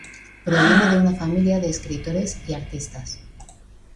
Proviene de una familia de escritores y artistas.